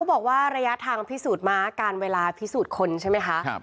บอกว่าระยะทางพิสูจน์ม้าการเวลาพิสูจน์คนใช่ไหมคะ